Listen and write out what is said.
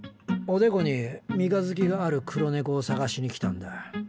おでこに三日月がある黒猫を捜しに来たんだ。